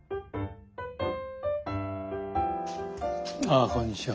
あこんにちは。